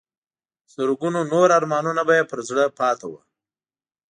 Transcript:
زرګونو نور ارمانونه به یې پر زړه پاتې وو.